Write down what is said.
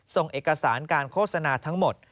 ส่งเอกสารการโฆษณาทั้งหมด